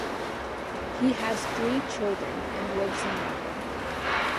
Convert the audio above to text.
He has three children and lives in London.